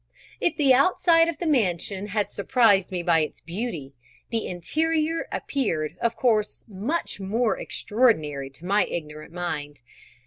If the outside of the mansion had surprised me by its beauty, the interior appeared of course much more extraordinary to my ignorant mind.